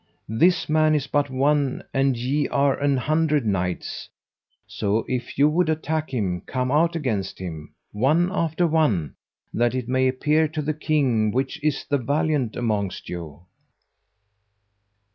This man is but one and ye are an hundred Knights: so if you would attack him come out against him, one after one, that it may appear to the King which is the valiant amongst you."